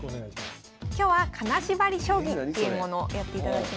今日は「金縛り将棋」というものをやっていただきます。